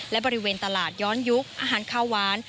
และบริเวณตลาดย้อนยุคอาหารข้าวหวาน